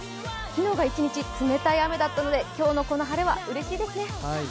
昨日が一日冷たい雨だったので今日のこの晴れはうれしいですね。